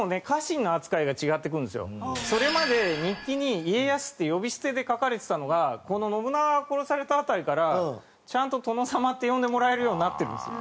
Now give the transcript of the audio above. それまで日記に「家康」って呼び捨てで書かれてたのがこの信長が殺された辺りからちゃんと「殿様」って呼んでもらえるようになってるんですよ